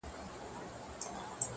له څو خوښيو او دردو راهيسي!!